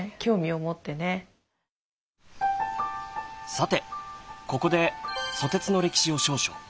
さてここでソテツの歴史を少々。